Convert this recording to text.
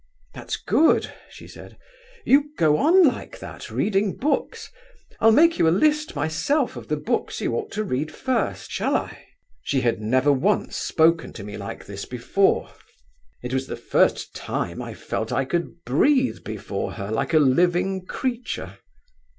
'That's good,' she said, 'you go on like that, reading books. I'll make you a list myself of the books you ought to read first—shall I?' She had never once spoken to me like this before; it was the first time I felt I could breathe before her like a living creature."